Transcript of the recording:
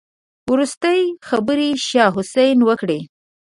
وروستۍ خبرې شاه حسين وکړې.